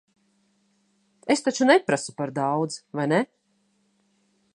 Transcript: Es taču neprasu par daudz, vai ne?